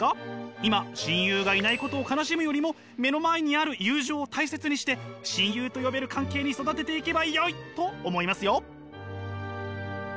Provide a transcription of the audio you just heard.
今親友がいないことを悲しむよりも目の前にある友情を大切にして親友と呼べる関係に育てていけばよいと思いますよ。